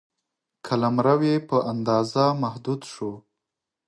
قلمرو یې په اندازه محدود شو.